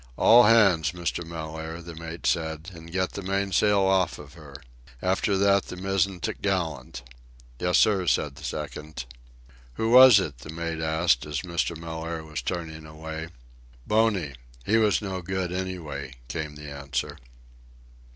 "All hands, Mr. Mellaire," the mate said, "and get the mainsail off of her. After that, the mizzen topgallant." "Yes, sir," said the second. "Who was it?" the mate asked, as Mr. Mellaire was turning away. "Boney—he was no good, anyway," came the answer.